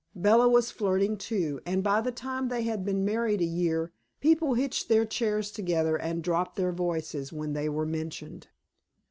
Bella was flirting, too, and by the time they had been married a year, people hitched their chairs together and dropped their voices when they were mentioned.